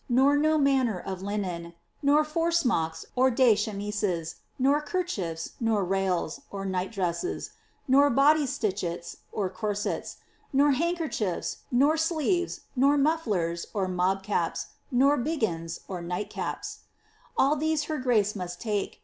nor no manner of linen — nor forsmocks (day chemises), nor kemhiefs, nor rails (night dresses), nor body stitchets (corsets), nor handkerchiefs, nor sleevea^ nor mufflers (mobcaps), nor biggens (night«aps). All these her grace must take.